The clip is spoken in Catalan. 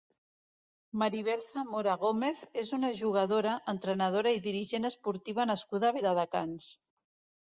Maribel Zamora Gómez és una jugadora, entrenadora i dirigent esportiva nascuda a Viladecans.